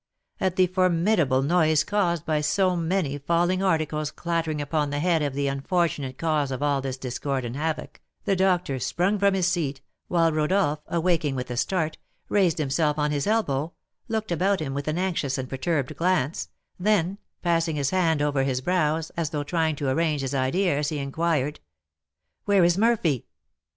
At the formidable noise caused by so many falling articles clattering upon the head of the unfortunate cause of all this discord and havoc, the doctor sprung from his seat, while Rodolph, awaking with a start, raised himself on his elbow, looked about him with an anxious and perturbed glance, then, passing his hand over his brows, as though trying to arrange his ideas, he inquired: "Where is Murphy?"